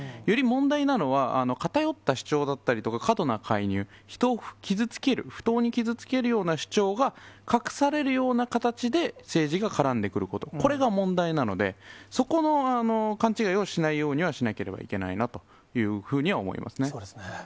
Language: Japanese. より問題なのは、偏った主張だったりとか、過度な勧誘、人を傷つける、不当に傷つけるような主張が、隠されるような形で政治が絡んでくること、これが問題なので、そこの勘違いをしないようにはしなければいけないなというふうにそうですね。